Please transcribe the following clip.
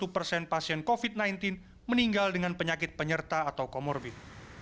sembilan puluh satu persen pasien covid sembilan belas meninggal dengan penyakit penyerta atau komorbid